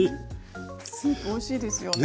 スープおいしいですよね。